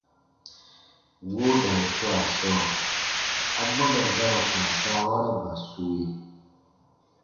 Woodan swaa sɔɔ, amɔna ba ra ka saawaraba sue?